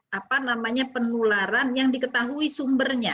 mengapa karena klaster itu terbentuk dari penularan yang diketahui sumbernya